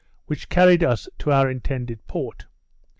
which carried us to our intended port.